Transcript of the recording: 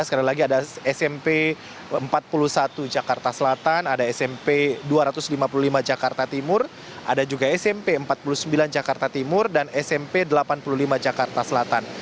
sekali lagi ada smp empat puluh satu jakarta selatan ada smp dua ratus lima puluh lima jakarta timur ada juga smp empat puluh sembilan jakarta timur dan smp delapan puluh lima jakarta selatan